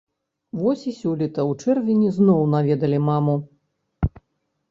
Вось і сёлета ў чэрвені зноў наведалі маму.